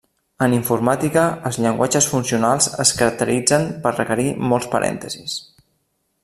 En informàtica, els llenguatges funcionals es caracteritzen per requerir molts parèntesis.